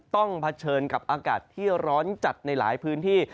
เผชิญกับอากาศที่ร้อนจัดในหลายพื้นที่